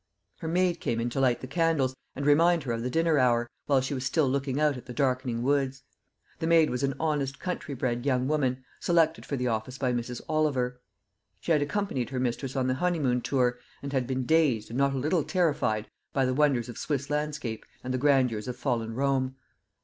Her maid came in to light the candles, and remind her of the dinner hour, while she was still looking out at the darkening woods. The maid was an honest country bred young woman, selected for the office by Mrs. Oliver. She had accompanied her mistress on the honeymoon tour, and had been dazed and not a little terrified by the wonders of Swiss landscape and the grandeurs of fallen Rome.